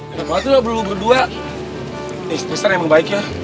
enak banget lu abu abu dua tristan emang baik ya